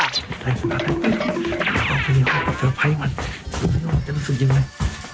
จะรู้สึกยังไหม